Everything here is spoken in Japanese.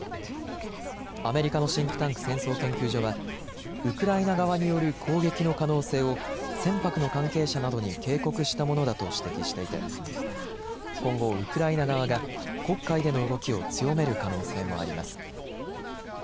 アメリカのシンクタンク、戦争研究所はウクライナ側による攻撃の可能性を船舶の関係者などに警告したものだと指摘していて今後ウクライナ側が黒海での動きを強める可能性もあります。